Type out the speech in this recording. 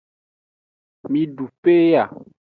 Midu peya.